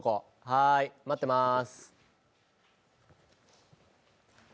はーい、待ってまーす。